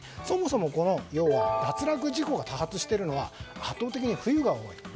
そもそも脱落事故が多発しているのは圧倒的に冬が多い。